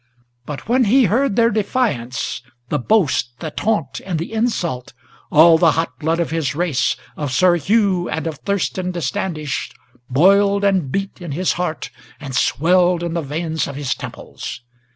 But when he heard their defiance, the boast, the taunt, and the insult, All the hot blood of his race, of Sir Hugh and of Thurston de Standish, Boiled and beat in his heart, and swelled in the veins of his temples.